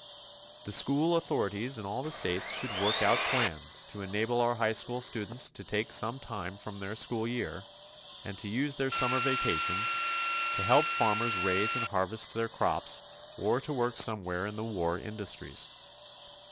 The school authorities in all the states should work out plans to enable our high school students to take some time from their school year, and to use their summer vacations, to help farmers raise and harvest their crops, or to work somewhere in the war industries.